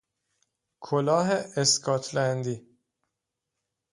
کلاه اسکاتلندی